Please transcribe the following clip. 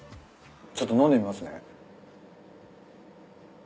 ちょっと飲んでみますね。